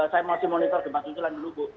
saya mau monitor gempa guncangan dulu bu